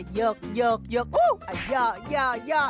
โยกโยกโอ๊วโยโยโย